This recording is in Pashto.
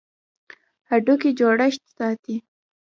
هډوکي جوړښت ساتي.